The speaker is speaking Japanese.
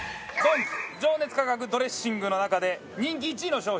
情熱価格ドレッシングの中で人気１位の商品。